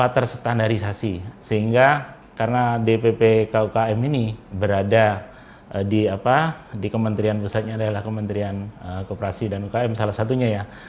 terstandarisasi sehingga karena dpp kukm ini berada di kementerian pusatnya adalah kementerian kooperasi dan ukm salah satunya ya